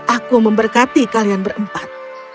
aku memberkati kalian berempat